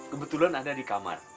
kebetulan ada di kamar